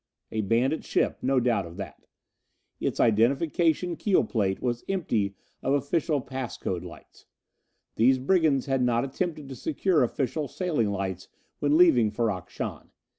A bandit ship, no doubt of that. Its identification keel plate was empty of official pass code lights. These brigands had not attempted to secure official sailing lights when leaving Ferrok Shahn.